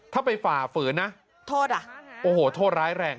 ถ้าไปฝ่าฝืนนะโทษอ่ะโอ้โหโทษร้ายแรง